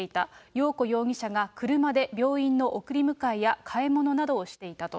よう子容疑者が車で病院の送り迎えや買い物などをしていたと。